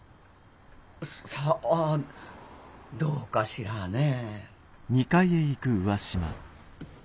さあどうかしらねえ。